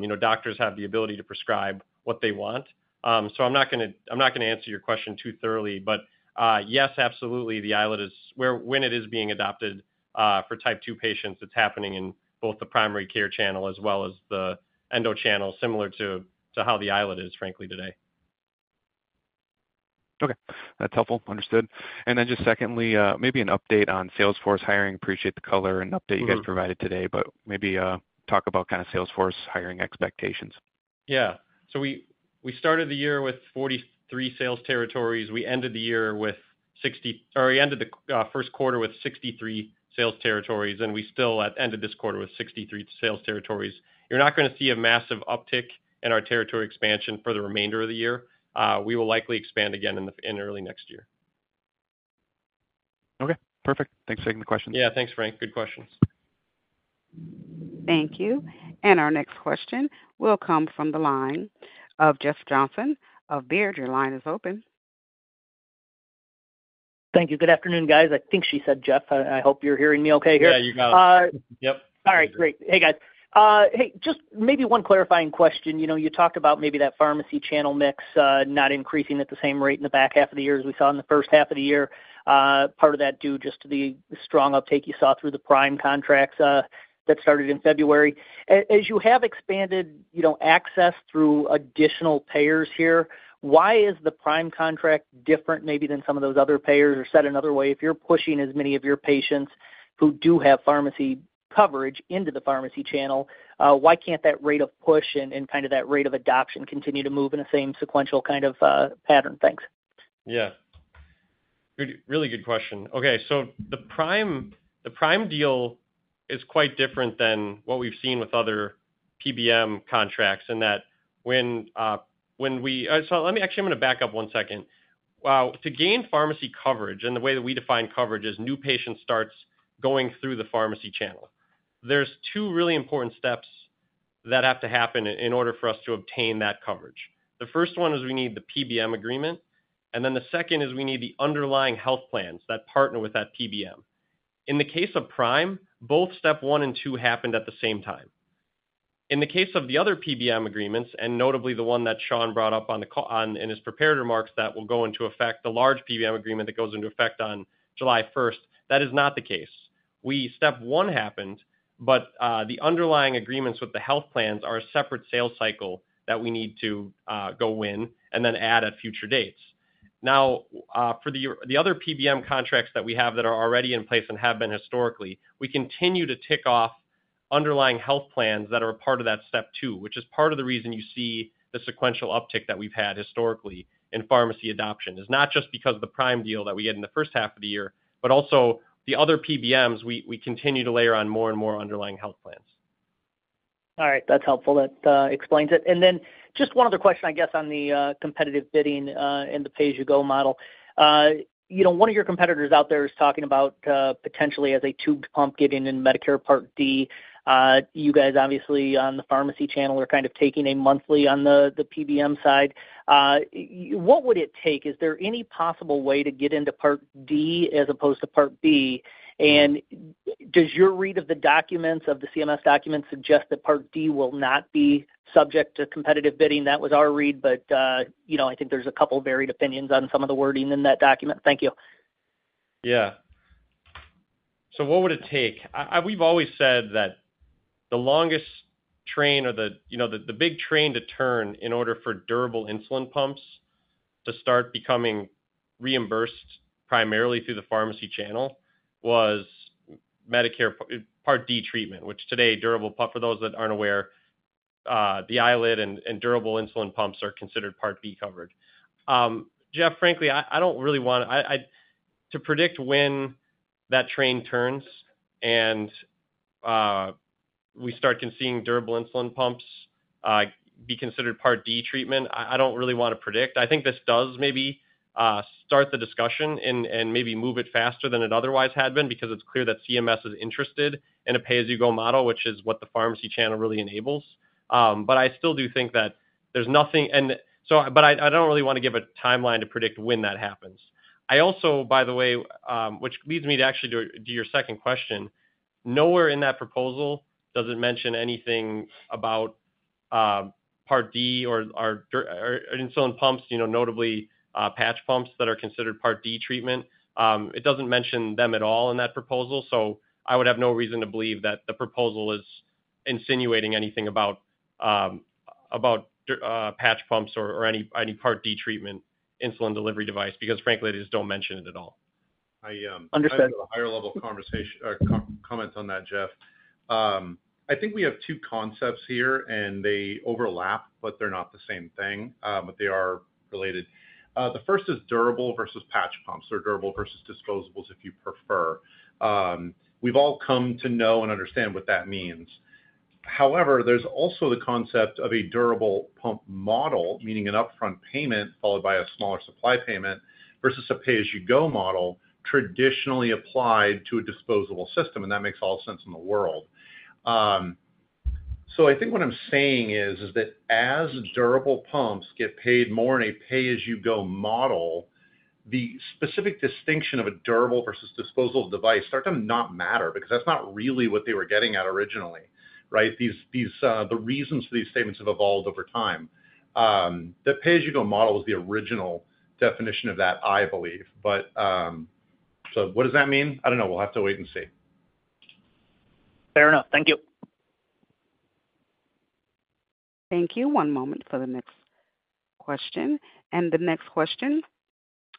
you know, doctors have the ability to prescribe what they want. I'm not going to answer your question too thoroughly, but yes, absolutely. The iLet is where, when it is being adopted for type 2 patients, it's happening in both the primary care channel as well as the endo channel, similar to how the iLet is, frankly, today. Okay, that's helpful. Understood. Just secondly, maybe an update on Salesforce hiring. Appreciate the color and update you guys provided today, but maybe talk about kind of Salesforce hiring expectations. Yeah, we started the year with 43 sales territories. We ended the year with 60, or we ended the first quarter with 63 sales territories. We still, at the end of this quarter, have 63 sales territories. You're not going to see a massive uptick in our territory expansion for the remainder of the year. We will likely expand again in early next year. Okay, perfect. Thanks for taking the question. Yeah, thanks, Frank. Good questions. Thank you. And our next question will come from the line of Jeff Johnson of Baird. Your line is open. Thank you. Good afternoon, guys. I think she said Jeff. I hope you're hearing me okay here. [crosstalk-Yep.] All right, great. Hey, guys. Hey. Just maybe one clarifying question. You talked about maybe that pharmacy channel mix not increasing at the same rate in the back half of the year as we saw in the first half of the year. Part of that due just to the strong uptake you saw through the Prime contracts that started in February as you have expanded access through additional payers here, why is the Prime contract different maybe than some of those other payers or said another way, if you're pushing as many of your patients who do have pharmacy coverage into the pharmacy channel, why can't that rate of push and that rate of adoption continue to move in the same sequential kind of pattern? Thanks. Yeah, really good question. Okay, so the Prime deal is quite different than what we've seen with other PBM contracts in that when we, actually, I'm going to back up one second. To gain pharmacy coverage, and the way that we define coverage is new patient starts going through the pharmacy channel, there's two really important steps that have to happen in order for us to obtain that coverage. The first one is we need the PBM agreement, and then the second is we need the underlying health plans that partner with that PBM. In the case of Prime, both step one and two happened at the same time. In the case of the other PBM agreements, and notably the one that Sean brought up in his prepared remarks, that will go into effect, the large PBM agreement that goes into effect on July 1st, that is not the case. Step one happened, but the underlying agreements with the health plans are a separate sales cycle that we need to go win and then add at future dates. Now for the other PBM contracts that we have that are already in place and have been historically, we continue to tick off underlying health plans that are a part of that step two, which is part of the reason you see the sequential uptick that we've had historically in pharmacy adoption. It is not just because of the Prime deal that we had in the first half of the year, but also the other PBMs. We continue to layer on more and more underlying health plans. All right, that's helpful. That explains it. And then just one other question, I guess, on the competitive bidding in the pay-as-you-go model. You know, one of your competitors out there is talking about potentially as a tube pump getting in Medicare Part D. You guys obviously on the pharmacy channel are kind of taking a monthly on the PBM side. What would it take? Is there any possible way to get into Part D as opposed to Part B? And does your read of the CMS documents suggest that Part D will not be subject to competitive bidding? That was our read. I think there's a couple varied opinions on some of the wording in that document. Thank you. Yeah. So what would it take? We've always said that the longest train or the, you know, the big train to turn in order for durable insulin pumps to start becoming reimbursed primarily through the pharmacy channel was Medicare Part D treatment, which today durable pump for those that aren't aware the iLet and durable insulin pumps are considered Part B covered. Jeff, frankly, I don't really want to predict when that train turns and we start seeing durable insulin pumps be considered Part D treatment. I don't really want to predict. I think this does maybe start the discussion and maybe move it faster than it otherwise had been because it's clear that CMS is interested in a pay-as-you-go model, which is what the pharmacy channel really enables. But I still do think that there's nothing, and so but I don't really want to give a timeline to predict when that happens. I also by the way, which leads me to actually do your second question. Nowhere in that proposal does it mention anything about Part D or our insulin pumps. Notably, patch pumps that are considered Part D treatment. It doesn't mention them at all in that proposal. So I would have no reason to believe that the proposal is insinuating anything about patch pumps or any Part D treatment insulin delivery device because frankly, they just don't mention it at all. I understand a higher-level conversation or comment on that, Jeff. I think we have two concepts here and they overlap, but they're not the same thing. They are related. The first is durable versus patch pumps or durable versus disposables if you prefer. We've all come to know and understand what that means. However, there's also the concept of a durable pump model, meaning an upfront payment followed by a smaller supply payment versus a pay-as-you-go model traditionally applied to a disposable system. That makes all sense in the world. I think what I'm saying is that as durable pumps get paid more in a pay-as-you-go model, the specific distinction of a durable versus disposable device starts to not matter. That's not really what they were getting at originally. The reasons for these statements have evolved over time. The pay-as-you-go model was the original definition of that, I believe. What does that mean? I don't know. We'll have to wait and see. Fair enough. Thank you. Thank you. One moment for the next question. The next question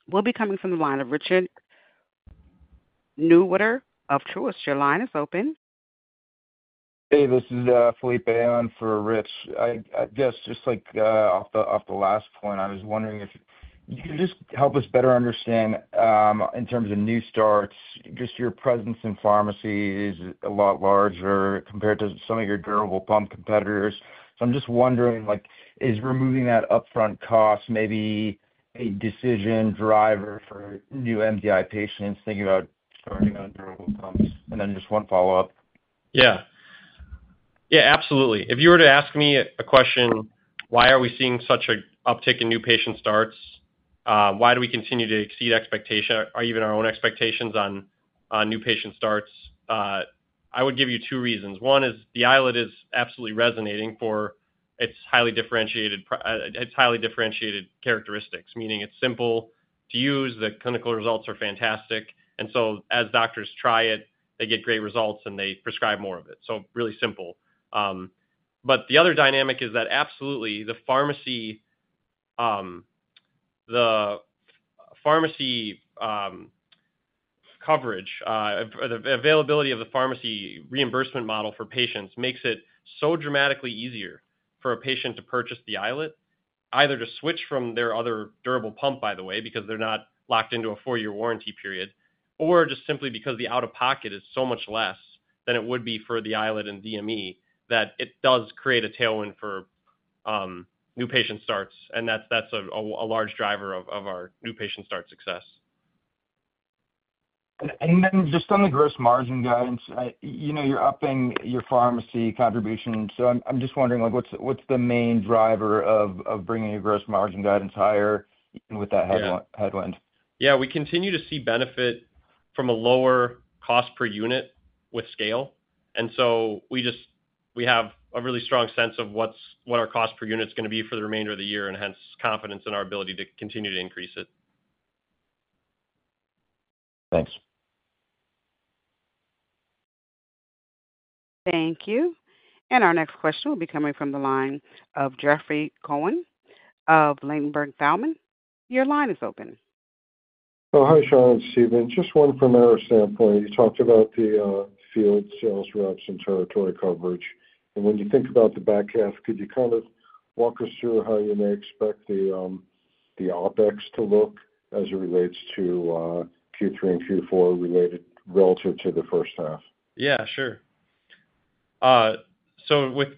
will be coming from the line of Richard Newitter of Truist. Your line is open. Hey, this is Felipe on for Rich. Just off the last point, I was wondering if you can just help us better understand in terms of new starts. Your presence in pharmacy is a lot larger compared to some of your durable pump competitors. I'm just wondering, is removing that upfront cost maybe a decision driver for new MDI patients thinking about starting on durable pumps, and then just one follow-up? Yeah, absolutely. If you were to ask me a question, why are we seeing such an uptick in new patient starts? Why do we continue to exceed expectations or even our own expectations on new patient starts? I would give you two reasons. One is the iLet is absolutely resonating for its highly differentiated characteristics, meaning it's simple to use. The clinical results are fantastic. And so as doctors try it, they get great results and they prescribe more of it. So, really simple. The other dynamic is that absolutely the pharmacy the pharmacy coverage, the availability of the pharmacy reimbursement model for patients, makes it so dramatically easier for a patient to purchase the iLet, either to switch from their other durable pump, by the way, because they're not locked into a four-year warranty period, or simply because the out-of-pocket is so much less than it would be for the iLet and DME that it does create a tailwind for new patient starts. That's a large driver of our new patient start success. Just on the gross margin guidance, you know, you're upping your pharmacy contribution. I'm just wondering what's the main driver of bringing your gross margin guidance higher with that headwind? Yeah, we continue to see benefits from a lower cost per unit with scale. And so we have a really strong sense of what our cost per unit is going to be for the remainder of the year, and hence confidence in our ability to continue to increase it. Thanks. Thank you. Our next question will be coming from the line of Jeffrey Cohen of Ladenburg Thalmann. Your line is open. Hi, Sean and Stephen. Just one primary standpoint. You talked about the field sales reps and territory coverage. When you think about the back half, could you kind of walk us through how you may expect the OpEx to look as it relates to Q3 and Q4? We made it relative to the first half. Yeah, sure. With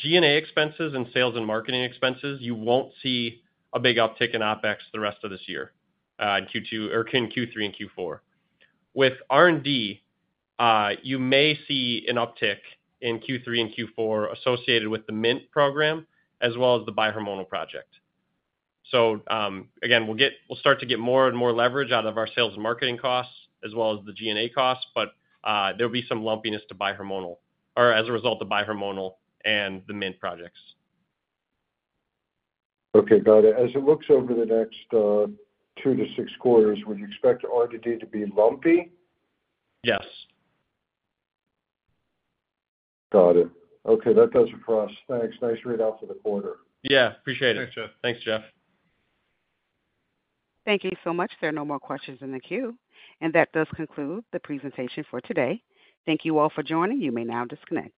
G&A expenses and sales and marketing expenses, you won't see a big uptick in OpEx the rest of this year in Q2 or Q3 and Q4. With R&D, you may see an uptick in Q3 and Q4 associated with the Mint program as well as the bihormonal project. So again we'll start to get more and more leverage out of our sales and marketing costs as well as the G&A costs. There'll be some lumpiness to bihormonal or as a result, the bihormonal and the Mint projects. Okay, got it. As it looks over the next 2-6 quarters, would you expect R&D to be lumpy? Yes. Got it. Okay, that does it for us. Thanks. Nice readout for the quarter. Yeah, appreciate it. [crosstalk-Thanks, Jeff.] Thank you so much. There are no more questions in the queue. That does conclude the presentation for today. Thank you all for joining. You may now disconnect.